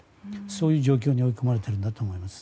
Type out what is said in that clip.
そういう状況に追い込まれているんだと思います。